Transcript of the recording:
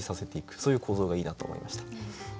そういう構造がいいなと思いました。